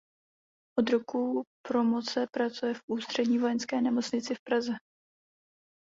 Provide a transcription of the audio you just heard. Od roku promoce pracuje v Ústřední vojenské nemocnici v Praze.